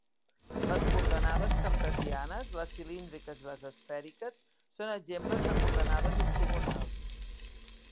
Les coordenades cartesianes, les cilíndriques i les esfèriques, són exemples de coordenades ortogonals.